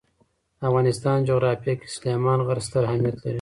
د افغانستان جغرافیه کې سلیمان غر ستر اهمیت لري.